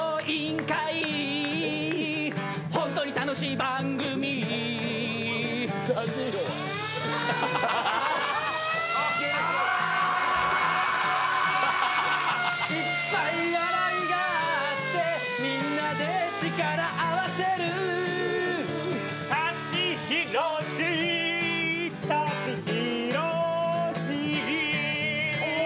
「いっぱい笑いがあってみんなで力合わせる」「舘ひろし舘ひろし」